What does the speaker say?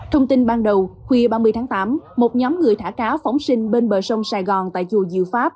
thông tin ban đầu khuya ba mươi tháng tám một nhóm người thả cá phóng sinh bên bờ sông sài gòn tại chùa diệu pháp